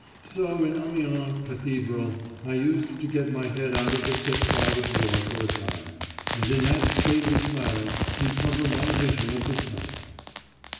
So in Amiens Cathedral I used to get my head out of the thick fog of war for a time, and in that stately silence recover my vision of the sun.